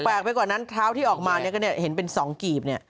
แปลกไปกว่านั้นเท้าที่ออกมาก็เห็นเป็น๒กิบ